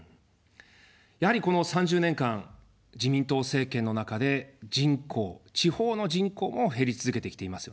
やはりこの３０年間、自民党政権の中で人口、地方の人口も減り続けてきていますよね。